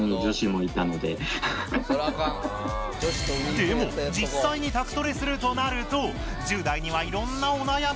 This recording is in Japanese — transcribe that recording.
でも実際に宅トレするとなると１０代にはいろんなお悩みが。